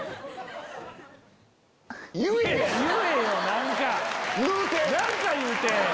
何か言うて！